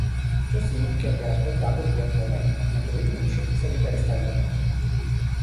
Ciò significa che raffreddando il pH aumenta mentre diminuisce in seguito a riscaldamento.